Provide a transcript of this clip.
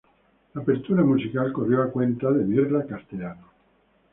El opening musical corrió por cuenta de Mirla Castellanos.